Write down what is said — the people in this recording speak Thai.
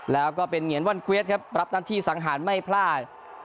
แล้วก็เป็นเหงียนว่อนเกวียดครับรับหน้าที่สังหารไม่พลาด